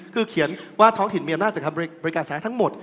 คือเขียนว่าท้องถิ่นมีอำนาจคำประกันชะแน่ทั้งหมด